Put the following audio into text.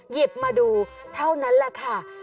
หยิบมาดูเท่านั้นแหละค่ะ